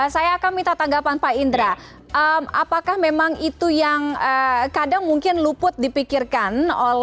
saya akan minta tanggapan pak indra apakah memang itu yang kadang mungkin luput dipikirkan